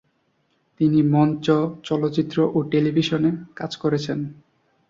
তিনি মঞ্চ, চলচ্চিত্র ও টেলিভিশন কাজ করেছেন।